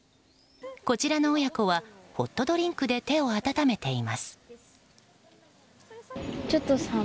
こちらの親子はホットドリンクで手を温めています。